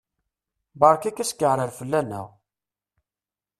Berka-k askeɛrer fell-aneɣ!